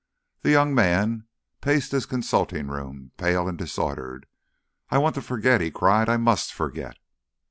The young man paced his consulting room, pale and disordered. "I want to forget," he cried. "I must forget."